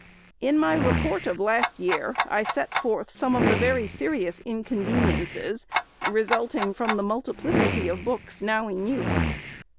In my Report of last year, I set forth some of the very serious inconveniences resulting from the multi plicity of books now in use.